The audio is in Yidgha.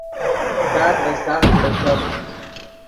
تات ڤے ساخت بڑیڅڤد